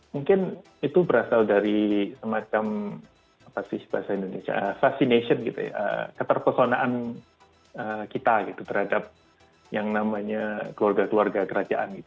mungkin itu berasal dari semacam fascination keterpesonaan kita terhadap yang namanya keluarga keluarga kerajaan